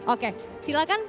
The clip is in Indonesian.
oke silahkan pak